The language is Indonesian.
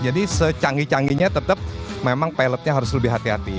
jadi secanggih canggihnya tetap memang pilotnya harus lebih hati hati